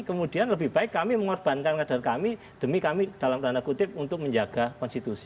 kemudian lebih baik kami mengorbankan kadar kami demi kami dalam tanda kutip untuk menjaga konstitusi